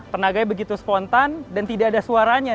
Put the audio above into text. tenaganya begitu spontan dan tidak ada suaranya